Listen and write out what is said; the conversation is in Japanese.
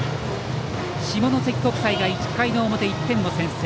下関国際が１回の表、１点を先制。